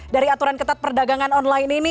dari aturan ketat perdagangan online ini